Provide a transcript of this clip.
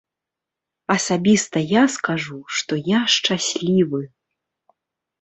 Асабіста я скажу, што я шчаслівы.